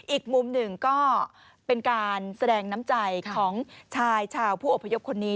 อีกมุมหนึ่งก็เป็นการแสดงน้ำใจของชายชาวผู้อพยพคนนี้